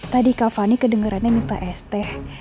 tadi kak fani kedengerannya minta es teh